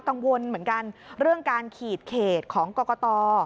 กังวลเหมือนกันเรื่องการขีดเขตของกรกต